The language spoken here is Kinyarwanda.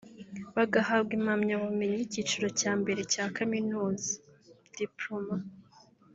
bagahambwa impamyabubumenyi y’icyiciro cya mbere cya Kaminuza ( Diploma)